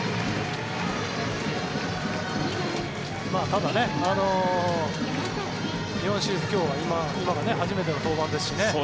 ただ、日本シリーズ今日は今が初めての登板ですしね。